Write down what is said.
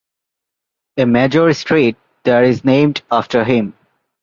A major street there is named after him.